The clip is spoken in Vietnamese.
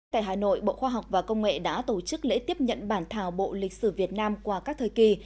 tại hà nội bộ khoa học và công nghệ đã tổ chức lễ tiếp nhận bản thảo bộ lịch sử việt nam qua các thời kỳ